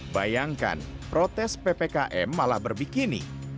bayangkan protes ppkm malah berbikini